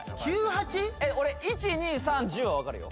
俺１２３１０はわかるよ？